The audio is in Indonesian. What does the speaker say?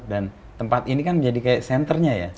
dan tempat ini kan menjadi kayak centernya ya